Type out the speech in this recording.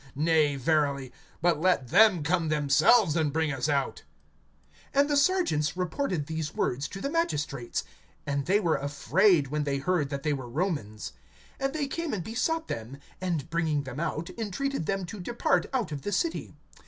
Nay verily; but let them come themselves and bring us out. (38)And the sergeants reported these words to the magistrates; and they were afraid, when they heard that they were Romans. (39)And they came and besought them, and bringing them out, entreated them to depart out of the city.